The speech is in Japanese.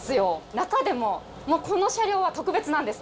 中でもこの車両は特別なんです。